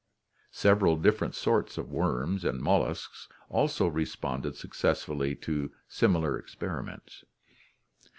Several different sorts of worms and molluscs also responded successfully to similar ex periments.